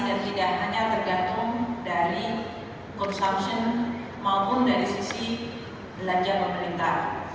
dan tidak hanya tergantung dari consumption maupun dari sisi belanja pemerintah